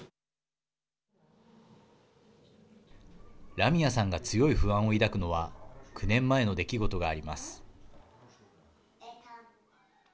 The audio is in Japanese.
ラミアさんが強い不安を抱くのは９年前の出来事があります。